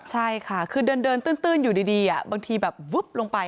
ใช่ค่ะคือเดินตื้นอยู่ดีบางทีแบบวึบลงไป